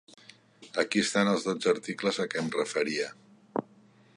Aquí estan els dotze articles a què em referia.